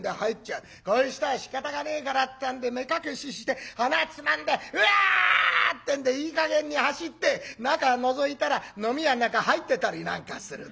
こういう人はしかたがねえからってんで目隠しして鼻つまんで「うわっ！」ってんでいい加減に走って中のぞいたら飲み屋の中入ってたりなんかするというような。